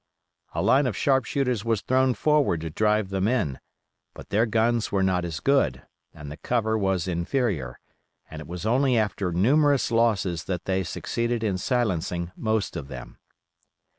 A line of sharp shooters was thrown forward to drive them in; but their guns were not as good and the cover was inferior, and it was only after numerous losses that they succeeded in silencing most of them.